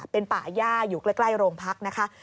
เป็นป่าย่าอยู่ใกล้โรงพักนะคะ